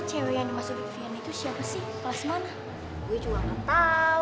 gue juga gak tau vivian gak mau cerita